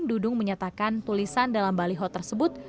dudung menyatakan tulisan dalam baliho tersebut